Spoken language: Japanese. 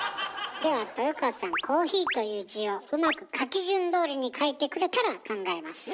では豊川さん「コーヒー」という字をうまく書き順どおりに書いてくれたら考えますよ。